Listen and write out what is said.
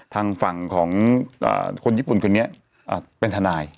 ทางฝั่งของคนญี่ปุ่นคนนี้เป็นทนาย